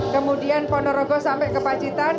kemudian ponorogo sampai ke pacitan